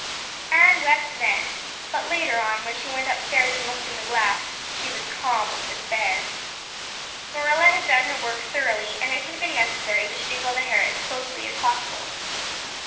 Anne wept then, but later on, when she went upstairs and looked in the glass, she was calm with despair. Marilla had done her work thoroughly and it had been necessary to shingle the hair as closely as possible.